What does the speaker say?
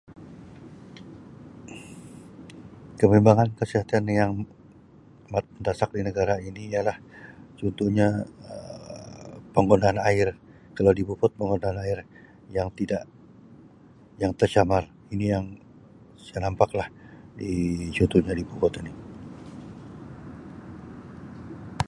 Kebimbangan kesihatan yang amat mendesak di negara ini ialah contohnya Um penggunaan air, kalau di Beaufort penggunaan air yang tidak, yang tercemar, ini yang saya nampak lah di-di contohnya di Beaufort ini.